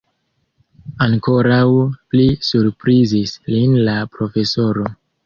Ankoraŭ pli surprizis lin la profesoro.